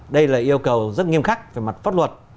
đây là yêu cầu rất nghiêm khắc về mặt pháp luật